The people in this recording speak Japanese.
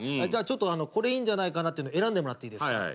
じゃあちょっとこれいいんじゃないかなっていうの選んでもらっていいですか。